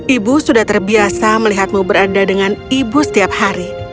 ibu sudah terbiasa melihatmu berada dengan ibu setiap hari